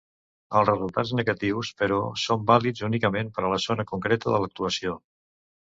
Els resultats negatius, però, són vàlids únicament per a la zona concreta de l'actuació.